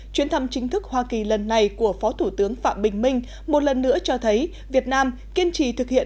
chuyến thăm chính thức hoa kỳ lần này của phó thủ tướng phạm bình minh một lần nữa cho thấy việt nam kiên trì thực hiện